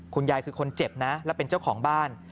คุณยายคือคนเจ็บนะและเป็นเจ้าของบ้าน